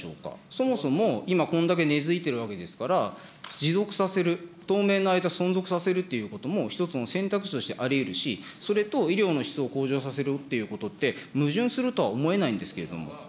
そもそも今、こんだけ根づいてるわけですから、持続させる、当面の間、存続させるということも、１つの選択肢としてありうるし、それと医療の質を向上させるっていうことって、矛盾するとは思えないんですけれども。